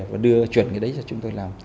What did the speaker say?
và đưa chuyển cái đấy cho chúng tôi làm